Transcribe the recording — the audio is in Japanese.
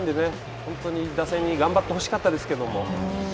本当に打線に頑張ってほしかったですけども。